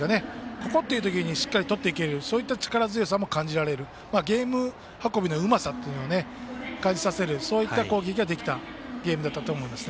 ここっていう時にしっかりとっていける力強さも感じられるゲーム運びのうまさを感じられる攻撃ができたと思うゲームだったと思います。